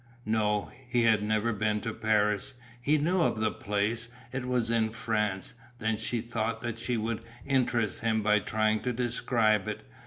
No, he had never been to Paris. He knew of the place, it was in France. Then she thought that she would interest him by trying to describe it.